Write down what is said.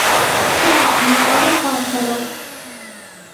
กราบเท้าด้วยความเคารพ